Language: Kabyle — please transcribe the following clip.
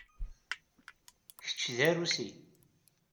Kečč d arusi?